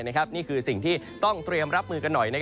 นี่คือสิ่งที่ต้องเตรียมรับมือกันหน่อย